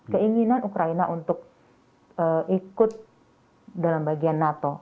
keinginan ukraina untuk ikut dalam bagian nato